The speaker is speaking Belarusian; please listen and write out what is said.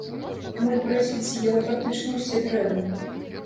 Моль-паразіт з'ела практычна ўсе дрэвы.